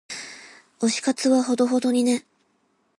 推し活はほどほどにね。